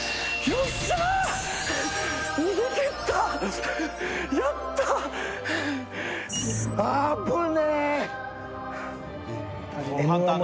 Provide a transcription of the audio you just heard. よっしゃー！